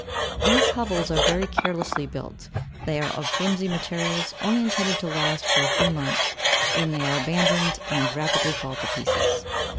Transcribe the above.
These hovels are very carelessly built; they are of flimsy materials, only intended to last for a few months, when they are abandoned and rapidly fall to pieces.